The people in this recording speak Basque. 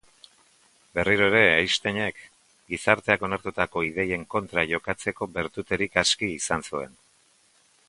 Berriro ere Einsteinek gizarteak onartutako ideien kontra jokatzeko bertuterik aski izan zuen.